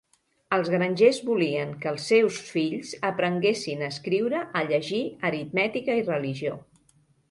Els grangers volien que els seus fills aprenguessin a escriure, a llegir, aritmètica i religió.